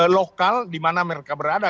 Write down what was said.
lokal di mana mereka berada